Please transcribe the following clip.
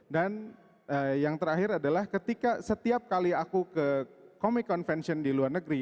dan yang terakhir adalah ketika setiap kali aku ke comic convention di luar negeri